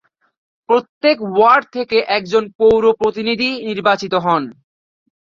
প্রত্যেক ওয়ার্ড থেকে একজন পৌর-প্রতিনিধি নির্বাচিত হন।